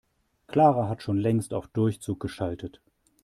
Clara hat schon längst auf Durchzug geschaltet.